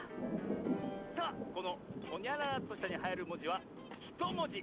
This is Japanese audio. さあこの「ほにゃららっとした」にはいるもじは１もじ。